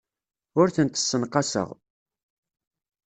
Ur tent-ssenqaseɣ.